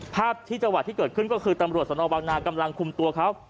ภาพที่จังหวัดที่เกิดขึ้นก็คือตำรวจสนวังนากำลังคุมตัวเขา